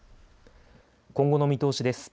今後の見通しです。